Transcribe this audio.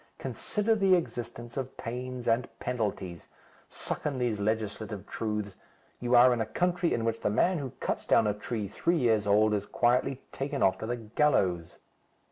Consider the existence of pains and penalties. Suck in these legislative truths. You are in a country in which the man who cuts down a tree three years old is quietly taken off to the gallows.